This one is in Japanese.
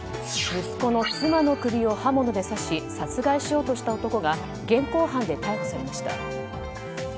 息子の妻の首を刃物で刺し殺害しようとした男が現行犯で逮捕されました。